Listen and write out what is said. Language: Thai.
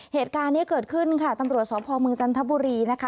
เหตุการณ์นี้เกิดขึ้นค่ะตำรวจสพเมืองจันทบุรีนะคะ